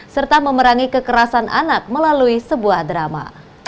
serta memerangi kekerasan anak melalui sebuah drama